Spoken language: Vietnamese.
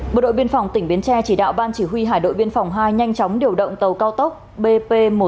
bộ đội biên phòng tỉnh biến tre chỉ đạo ban chỉ huy hải đội biên phòng hai nhanh chóng điều động tàu cao tốc bp một trăm sáu mươi chín nghìn tám trăm linh một